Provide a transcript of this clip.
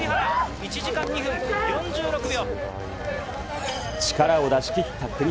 １時間２分４６秒。